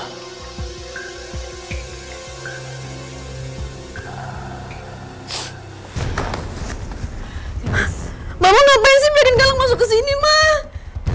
mas mama ngapain sih bikin galang masuk ke sini mas